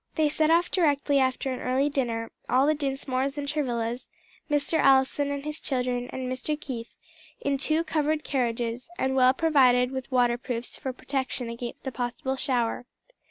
They set off directly after an early dinner all the Dinsmores and Travillas, Mr. Allison and his children and Mr. Keith in two covered carriages, and well provided with waterproofs for protection against a possible shower.